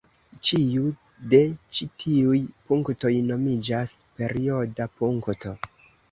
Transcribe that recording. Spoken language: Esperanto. Ĉiu de ĉi tiuj punktoj nomiĝas perioda punkto.